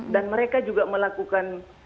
dan mereka juga melakukan